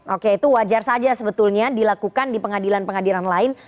oke itu wajar saja sebetulnya dilakukan di pengadilan pengadilan lain